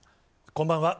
こんばんは。